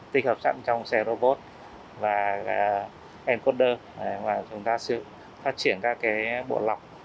tích hợp sẵn trong xe robot và encoder và chúng ta sử dụng phát triển các bộ lọc